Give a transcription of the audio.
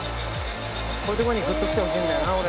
「こういうとこにグッときてほしいんだよな俺」